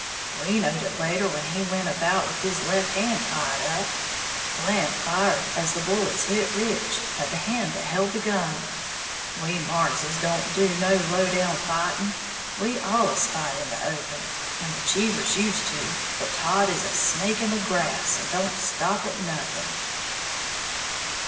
We knowed it later when he went about with his left hand tied up, Blant fired as the bullet hit Rich, at the hand that held the gun. We Marrses don't do no low down fighting, we allus fight in the open. And the Cheevers used to; but Todd is a snake in the grass, and don't stop at nothing."